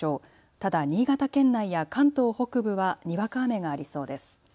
ただ新潟県内や関東北部はにわか雨がありそうです。